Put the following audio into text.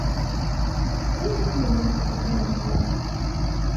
ليس كل الناس يحبون الكلاب.